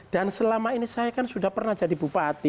dan selama ini saya kan sudah pernah jadi bupati